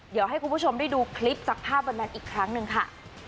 เดี๋ยวให้คุณผู้ชมได้ดูคลิปจากภาพแบนอีกครั้งหนึ่งค่ะ